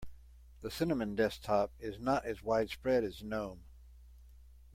The cinnamon desktop is not as widespread as gnome.